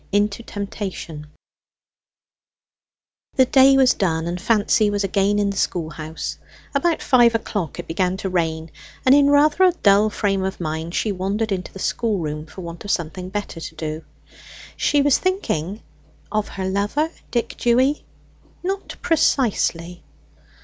INTO TEMPTATION The day was done, and Fancy was again in the school house. About five o'clock it began to rain, and in rather a dull frame of mind she wandered into the schoolroom, for want of something better to do. She was thinking of her lover Dick Dewy? Not precisely.